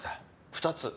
２つ？